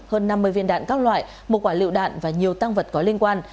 hơn năm mươi viên đạn các loại một quả liệu đạn và nhiều tăng vật có liên quan